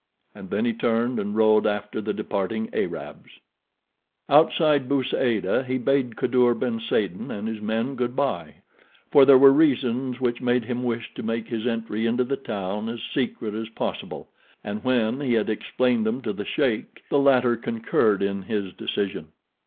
and then he turned and rode after the departing Arabs. Outside Bou Saada he bade Kadour ben Saden and his men good by, for there were reasons which made him wish to make his entry into the town as secret as possible, and when he had explained them to the sheik the latter concurred in his decision.